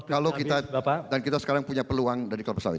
lalu kita sekarang punya peluang dari kelapa sawit